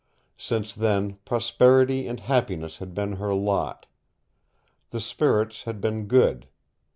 Since then prosperity and happiness had been her lot. The spirits had been good.